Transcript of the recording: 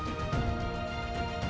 syair dan nadanya yang kentang